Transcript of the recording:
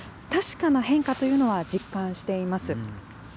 確かな変化というのは実感しています。